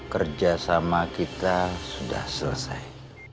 kerja sama kita sudah selesai